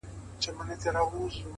مهرباني د درناوي تخم شیندي!